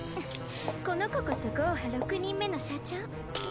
この子こそゴーハ６人目の社長。